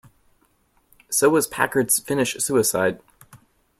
So was Packard's finish suicide.